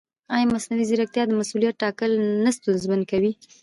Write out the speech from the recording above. ایا مصنوعي ځیرکتیا د مسؤلیت ټاکل نه ستونزمن کوي؟